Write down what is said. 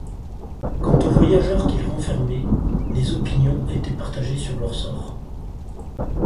Quant aux voyageurs qu’il renfermait, les opinions étaient partagées sur leur sort.